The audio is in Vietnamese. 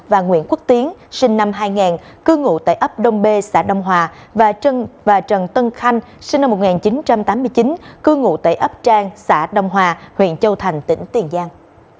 và nguyễn quốc tiến sinh năm hai nghìn cư ngụ tại ấp đông b xã đông hòa và trần tân khanh sinh năm một nghìn chín trăm tám mươi chín cư ngụ tại ấp trang xã đông hòa huyện châu thành tỉnh tiền giang